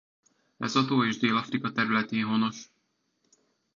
Lesotho és Dél-Afrika területén honos.